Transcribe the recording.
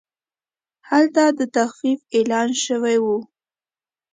هلته د تخفیف اعلان شوی و.